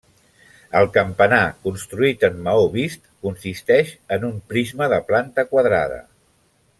El campanar, construït en maó vist, consisteix en un prisma de planta quadrada.